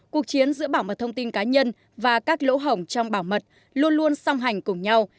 cuộc chiến giữa bảo mật thông tin cá nhân và các lỗ hổng trong bảo mật luôn luôn song hành cùng nhau